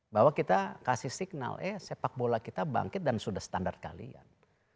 bahwa kita kasih signal eh sepak bola kita bangkit dan sudah standar kalian